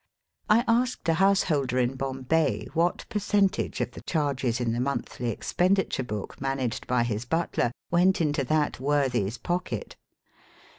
I asked a householder in Bombay what percentage of the charges in the monthly expenditure book managed by his butler went into that worthy's pocket.